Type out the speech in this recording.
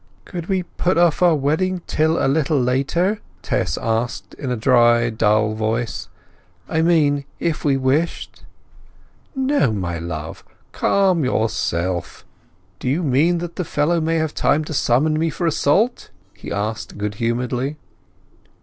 "Could we put off our wedding till a little later?" Tess asked in a dry dull voice. "I mean if we wished?" "No, my love. Calm yourself. Do you mean that the fellow may have time to summon me for assault?" he asked good humouredly.